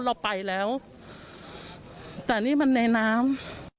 เราไปแล้วแต่นี่มันในน้ำ